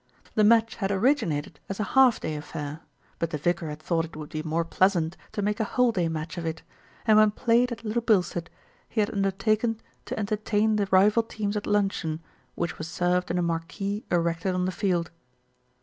The match had originated as a half day affair; but the vicar had thought it would be more pleasant to make a whole day match of it, and when played at Little Bilstead, he had undertaken to entertain the rival teams at luncheon, which was served in a marquee erected on the field.